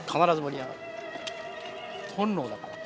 本能だから。